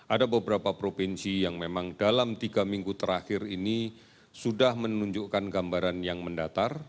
ada beberapa provinsi yang memang dalam tiga minggu terakhir ini sudah menunjukkan gambaran yang mendatar